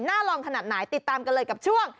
ลองขนาดไหนติดตามกันเลยกับช่วง